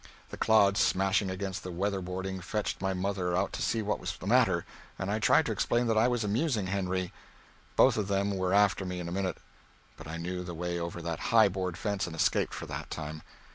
The clods smashing against the weather boarding fetched my mother out to see what was the matter, and I tried to explain that I was amusing Henry. Both of them were after me in a minute, but I knew the way over that high board fence and escaped for that time.